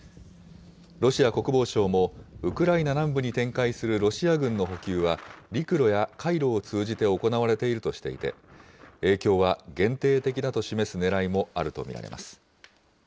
ロシア国防省も、ウクライナ南部に展開するロシア軍の補給は陸路や海路を通じて行われているとしていて、影響は限定的だと示すねらいもあると見られます。